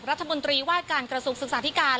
รัฐมนตรีว่าการกระทรวงศึกษาธิการ